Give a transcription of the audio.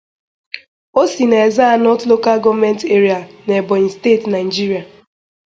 O si na Ezza North Local Government Area na Ebonyi State (Nigeria).